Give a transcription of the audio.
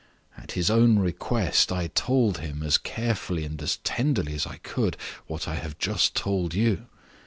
At his own request I told him, as carefully and as tenderly as I could, what I have just told you.